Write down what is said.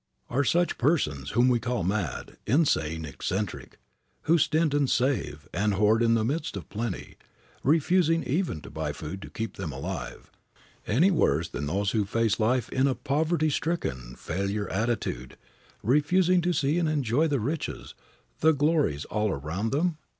Are such persons, whom we call mad, insane, eccentric, who stint and save, and hoard in the midst of plenty, refusing even to buy food to keep them alive, any worse than those who face life in a poverty stricken, failure attitude, refusing to see and enjoy the riches, the glories all around them?